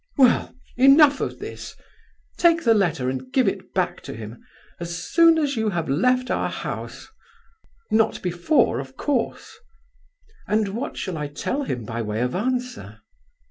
Well, enough of this. Take the letter and give it back to him, as soon as you have left our house; not before, of course." "And what shall I tell him by way of answer?"